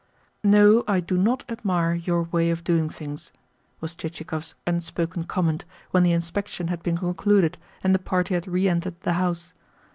"No, I do not admire your way of doing things," was Chichikov's unspoken comment when the inspection had been concluded and the party had re entered the house.